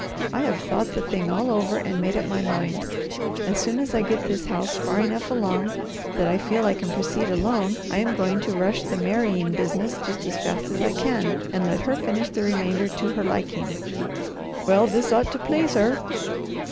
I have thought the thing all over and made up my mind. As soon as I get this house far enough along that I feel I can proceed alone I am going to rush the marrying business just as fast as I can, and let her finish the remainder to her liking." "Well this ought to please her."